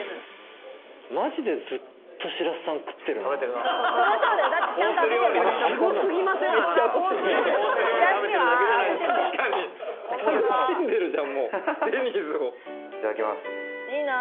マジでずっと白洲さん食ってるな。